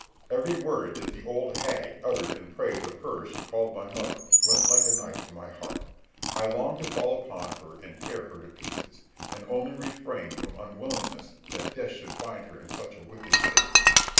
Every word that the old hag uttered in praise of her she called my mother went like a knife to my heart; I longed to fall upon her and tear her to pieces, and only refrained from unwillingness that death should find her in such a wicked state.